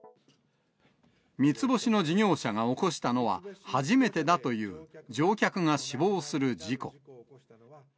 三つ星の事業者が起こしたのは初めてだという、乗客が死亡する事故。